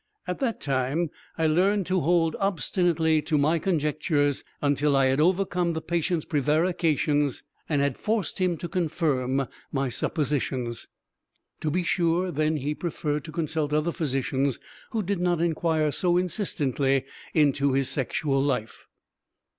At that time I learned to hold obstinately to my conjectures until I had overcome the patient's prevarications and had forced him to confirm my suppositions. To be sure, then he preferred to consult other physicians who did not inquire so insistently into his sexual life.